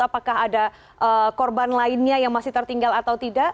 apakah ada korban lainnya yang masih tertinggal atau tidak